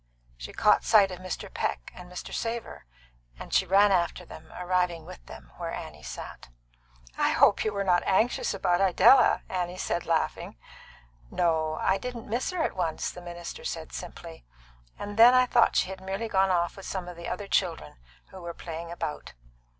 She caught sight of Mr. Peck and Mr. Savor, and she ran after them, arriving with them where Annie sat. "I hope you were not anxious about Idella," Annie said, laughing. "No; I didn't miss her at once," said the minister simply; "and then I thought she had merely gone off with some of the other children who were playing about."